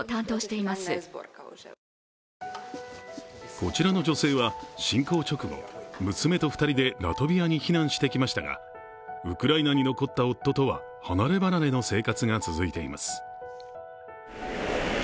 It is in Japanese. こちらの女性は侵攻直後、娘と２人でラトビアに避難してきましたが、ウクライナに残った夫とは離れ離れの生活が続いています。